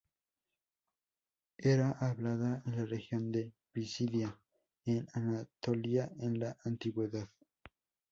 Era hablada en la región de Pisidia, en Anatolia, en la Antigüedad.